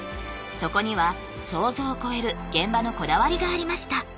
そこには想像を超える現場のこだわりがありました